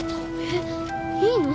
えっいいの？